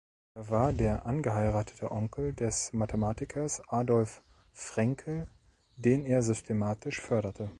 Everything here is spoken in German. Er war der angeheiratete Onkel des Mathematikers Adolf Fraenkel, den er systematisch förderte.